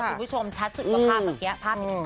คุณผู้ชมชัดสึกว่าภาพเมื่อกี้ภาพเป็นภาพ